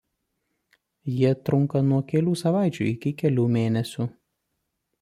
Jie trunka nuo kelių savaičių iki kelių mėnesių.